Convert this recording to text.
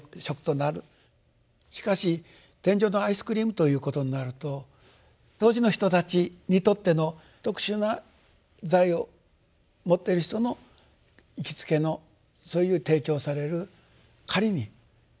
しかし「天上のアイスクリーム」ということになると当時の人たちにとっての特殊な財を持っている人の行きつけのそういう提供される仮に食だと。